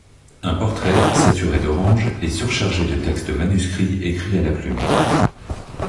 Un portrait, saturé d'orange, est surchargé de textes manuscrits écrits à la plume.